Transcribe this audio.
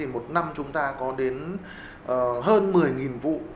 một năm chúng ta có đến hơn một mươi vụ